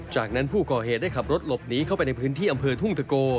จากนั้นผู้ก่อเหตุได้ขับรถหลบหนีเข้าไปในพื้นที่อำเภอทุ่งตะโก